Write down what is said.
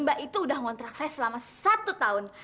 mbak itu udah ngontrak saya selama satu tahun